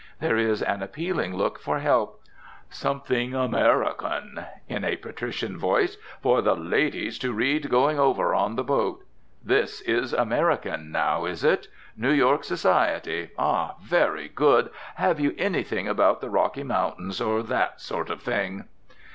There is an appealing look for help. "Something American," in a patrician voice, "for the ladies to read going over on the boat. This is American, now, is it? New York society? Ah, very good! Have you anything about the Rocky Mountains, or that sort of thing?"